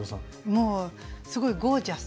もうすごいゴージャス。